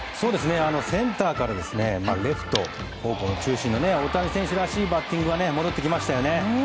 センターからレフト方向中心の大谷選手らしいバッティングが戻ってきましたよね。